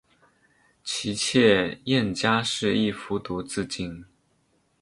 其妾燕佳氏亦服毒自尽。